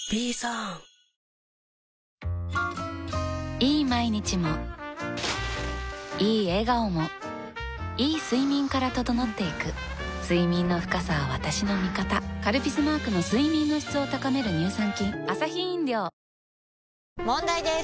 いい毎日もいい笑顔もいい睡眠から整っていく睡眠の深さは私の味方「カルピス」マークの睡眠の質を高める乳酸菌問題です！